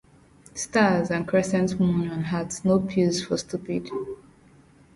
Stars and crescent moon and hearts. No pills for stupid.